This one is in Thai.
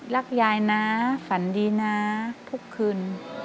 รักยายนะฝันดีนะทุกคืน